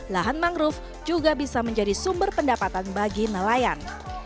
lahan mangrove juga bisa menjadi sumber pendapatan bagi nelayan